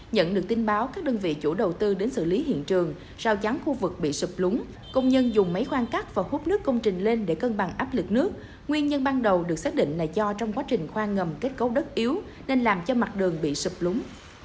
nhận được tin báo các đơn vị chủ đầu tư đến xử lý hiện trường sao chán khu vực bị sụp lúng công nhân dùng máy khoan cắt và hút nước công trình lên để cân bằng áp lực nước nguyên nhân ban đầu được xác định là do trong quá trình khoan ngầm kết cấu đất yếu nên làm cho mặt đường bị sụp lúng